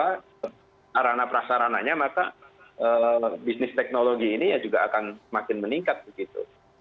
karena prasarananya maka bisnis teknologi ini ya juga akan semakin meningkat begitu